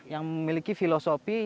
yang memiliki filosofi